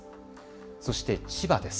そして千葉です。